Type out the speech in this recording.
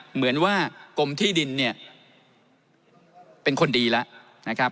เหมือนว่ากรมที่ดินเนี่ยเป็นคนดีแล้วนะครับ